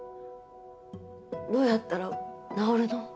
どうやったら治るの？